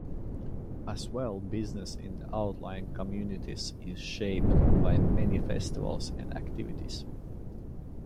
As well, business in the outlying communities is shaped by many festivals and activities.